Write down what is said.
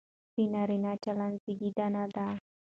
د نارينه چلن زېږنده دى،